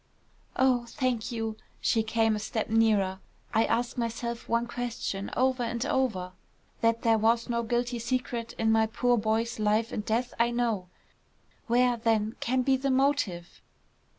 "Oh, I thank you." She came a step nearer. "I ask myself one question, over and over; that there was no guilty secret in my poor boy's life and death, I know. Where, then, can be the motive?"